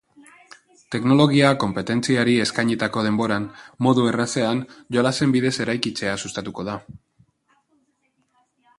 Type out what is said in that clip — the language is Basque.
Teknologia konpetentziari eskainitako denboran, modu errazean, jolasen bidez eraikitzea sustatuko da.